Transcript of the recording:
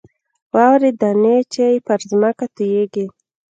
واورې دانې چې پر ځمکه تویېږي.